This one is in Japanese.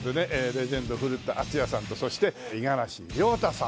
レジェンド古田敦也さんとそして五十嵐亮太さん。